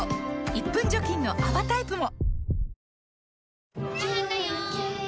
１分除菌の泡タイプも！